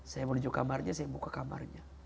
saya menuju kamarnya saya buka kamarnya